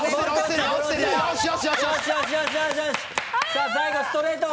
さぁ最後ストレート！